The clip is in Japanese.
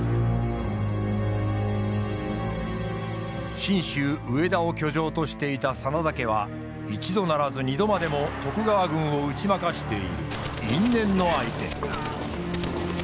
信州上田を居城としていた真田家は一度ならず二度までも徳川軍を打ち負かしている因縁の相手。